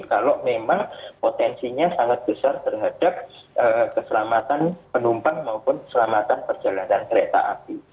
kalau memang potensinya sangat besar terhadap keselamatan penumpang maupun keselamatan perjalanan kereta api